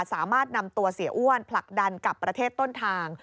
สามารถนำตัวเสียอ้วนผลักดันกับประเทศต้นทาง